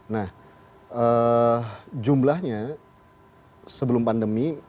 nah jumlahnya sebelum pandemi